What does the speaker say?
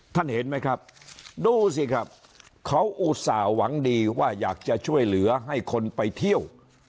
เห็นไหมครับดูสิครับเขาอุตส่าห์หวังดีว่าอยากจะช่วยเหลือให้คนไปเที่ยว